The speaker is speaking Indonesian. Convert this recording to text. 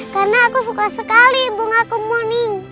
karena aku suka sekali bunga kemuning